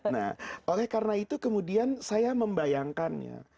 nah oleh karena itu kemudian saya membayangkannya